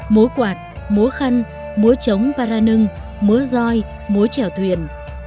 múa quạt múa khăn múa trống và ra nưng múa roi múa trẻo thuyền